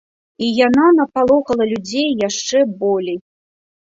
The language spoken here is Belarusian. І яна напалохала людзей яшчэ болей.